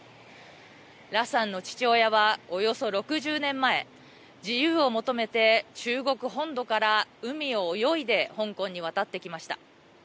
羅さんの父親は、およそ６０年前自由を求めて中国本土から海を泳いで香港に渡ってきました。